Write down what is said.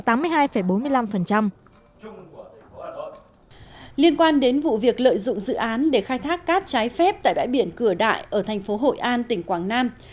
liên quan đến vụ việc lợi dụng dự án để khai thác cát trái phép tại bãi biển cửa đại ở thành phố hội an tỉnh quảng nam